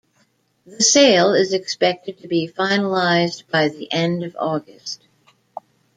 The sale is expected to be finalized by the end of August.